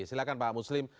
silahkan pak muslim